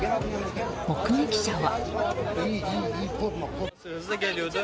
目撃者は。